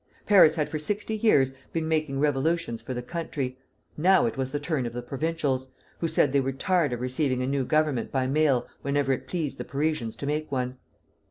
Paris had for sixty years been making revolutions for the country; now it was the turn of the provincials, who said they were tired of receiving a new Government by mail whenever it pleased the Parisians to make one.